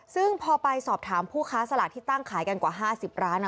ซึ่งพอไปสอบถามผู้ค้าสลากที่ตั้งขายกันกว่า๕๐ร้าน